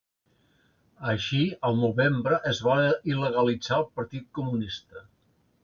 Així, al novembre es va il·legalitzar el Partit Comunista.